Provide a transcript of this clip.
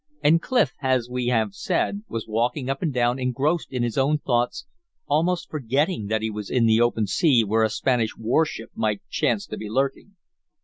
And Clif, as we have said, was walking up and down engrossed in his own thoughts, almost forgetting that he was out in the open sea where a Spanish warship might chance to be lurking.